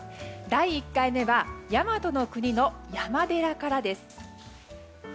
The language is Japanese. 第１回目は大和の国の山寺からです。